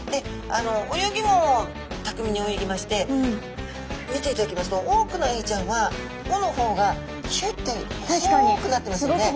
泳ぎもたくみに泳ぎまして見ていただきますと多くのエイちゃんはおの方がひゅって細くなってますよね。